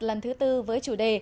lần thứ tư với chủ đề